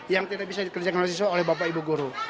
yang tidak bisa dikerjakan oleh siswa oleh bapak ibu guru